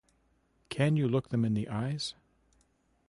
Can you look them in the eyes?